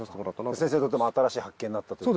先生にとっても新しい発見になったと。